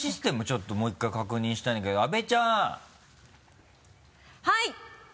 ちょっともう１回確認したいんだけど阿部ちゃん！はい。